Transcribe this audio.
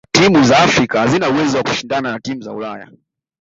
timu za afrika hazina uwezo wa kushindana na timu za ulaya